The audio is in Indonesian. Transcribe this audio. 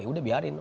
ya udah biarin